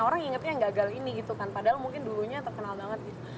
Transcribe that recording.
orang ingetnya yang gagal ini gitu kan padahal mungkin dulunya terkenal banget gitu